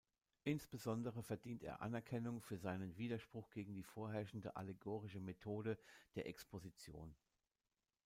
Insbesondere verdient er Anerkennung für seinen Widerspruch gegen die vorherrschende allegorische Methode der Exposition.